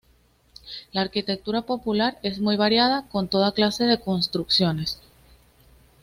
La arquitectura popular es muy variada, con toda clase de construcciones.